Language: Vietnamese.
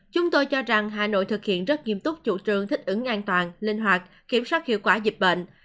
chúng tôi cho rằng hà nội thực hiện rất nghiêm túc chủ trương thích ứng an toàn linh hoạt kiểm soát hiệu quả dịch bệnh